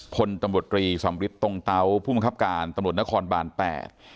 คนตำบลตรีสำริทตุงเตาผู้มันคับการตำรดนครร้านแบบแปด